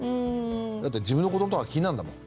だって自分の子どものことが気になるんだもん。